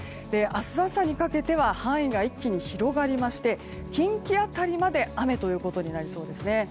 明日朝にかけては範囲が一気に広がりまして近畿辺りまで雨ということになりそうです。